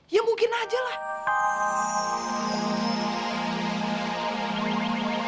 ya mungkin aja lah